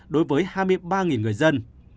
đối với hai mươi ba người dân